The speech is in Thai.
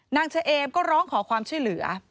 เฉเอมก็ร้องขอความช่วยเหลือ